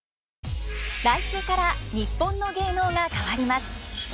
来週から「にっぽんの芸能」が変わります。